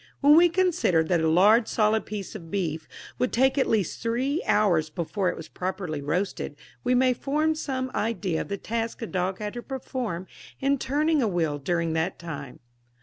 When we consider that a large solid piece of beef would take at least three hours before it was properly roasted, we may form some idea of the task a dog had to perform in turning a wheel during that time.